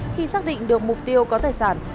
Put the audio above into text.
khi xác định được mục tiêu có tài sản